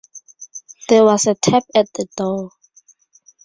There was a tap at the door.